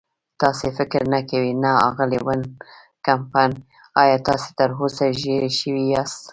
تاسې فکر نه کوئ؟ نه، اغلې وان کمپن، ایا تاسې تراوسه ژېړی شوي یاست؟